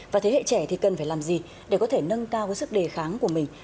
và thế hệ trẻ thì cần phải làm gì để có thể nâng cao sức đề kháng của mình